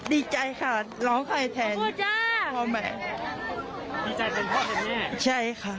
ดีใจค่ะหลองใครแทนพ่อแย่พ่อแม่ดีใจเป็นพ่อแท่แม่ใช่ค่ะ